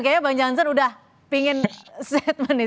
kayaknya bang jansen sudah ingin set menit